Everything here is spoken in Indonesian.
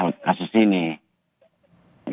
artinya betul ya ada alasan lain selain baju olahraga katanya